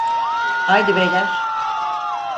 Haydi beyler!